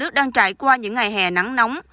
nước đang trải qua những ngày hè nắng nóng